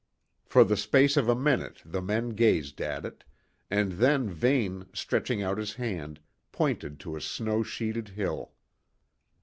For the space of a minute the men gazed at it; and then Vane, stretching out his hand, pointed to a snow sheeted hill.